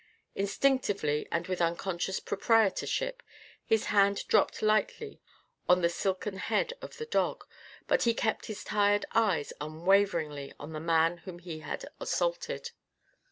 Instinctively and with unconscious proprietorship his hand dropped lightly on the silken head of the dog. But he kept his tired eyes unwaveringly on the man whom he had assaulted.